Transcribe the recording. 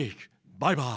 バイバイ。